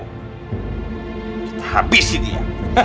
kita habisi dia